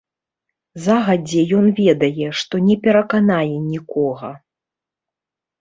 Загадзе ён ведае, што не пераканае нікога.